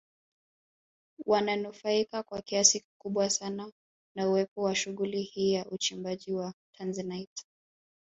Wananufaika kwa kiasi kikubwa sana na uwepo wa shughuli hii ya uchimbaji wa Tanzanite